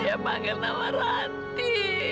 dia panggil nama ranti